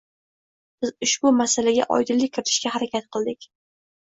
Biz ushbu masalaga oydinlik kiritishga harakat qildik.